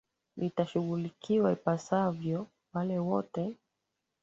litashughulikiwa ipasavyo wale wote